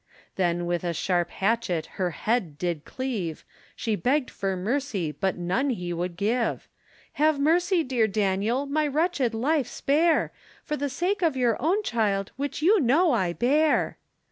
Then with a sharp hatchet her head did cleave, She begged for mercy but none he would give, Have mercy dear Daniel my wretched life spare, For the sake of your own child which you know I bear.